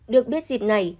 được biết dịp này